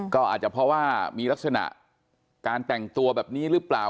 ก็อาจจะเพราะว่ามีลักษณะการแต่งตัวแบบนี้หรือเปล่า